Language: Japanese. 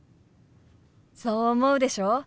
そう思うでしょ？